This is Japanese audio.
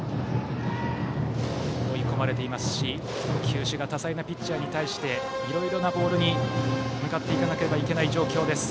追い込まれていますし球種が多彩なピッチャーに対していろいろなボールに向かっていかないといけない状況。